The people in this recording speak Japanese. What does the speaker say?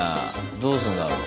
どうすんだろ。